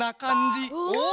お！